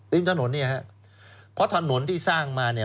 ริมถนนเนี่ยฮะเพราะถนนที่สร้างมาเนี่ย